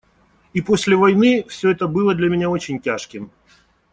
И после войны все это было для меня очень тяжким.